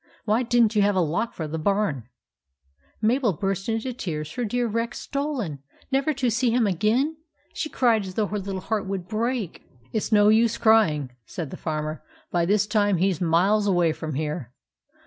Why did n't you have a lock for the barn ?" Mabel burst into tears. Her dear Rex stolen ! Never to see him again ! She cried as though her little heart would break. " It 's no use crying," said the Farmer. " By this time he 's miles away from here.